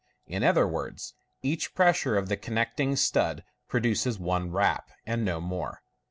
In other words, each pressure of the connecting stud produces one rap, and no more.